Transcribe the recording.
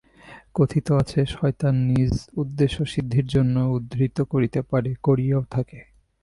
কথিত আছে, শয়তান নিজ উদ্দেশ্যসিদ্ধির জন্য উদ্ধৃত করিতে পারে, করিয়াও থাকে।